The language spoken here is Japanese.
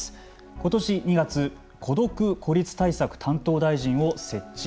ことし２月孤独・孤立対策担当大臣を設置。